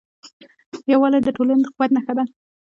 یووالی د ټولنې د قوت نښه ده.